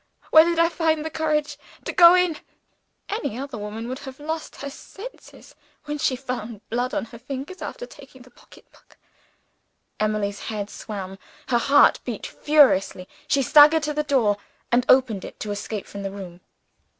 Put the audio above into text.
Where did I find the courage to go in? Any other woman would have lost her senses, when she found blood on her fingers after taking the pocketbook " Emily's head swam; her heart beat furiously she staggered to the door, and opened it to escape from the room.